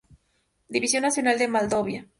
División Nacional de Moldavia,